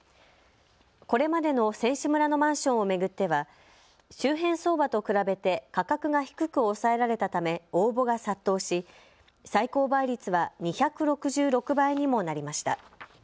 これまでの選手村のマンションを巡っては周辺相場と比べて価格が低く抑えられたため応募が殺到し最高倍率は２６６倍にもなりました。